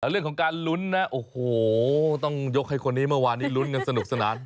เรื่องของการลุ้นนะโอ้โหต้องยกให้คนนี้เมื่อวานนี้ลุ้นกันสนุกสนาน